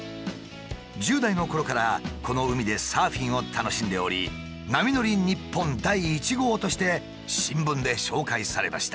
１０代のころからこの海でサーフィンを楽しんでおり「波乗り日本第１号」として新聞で紹介されました。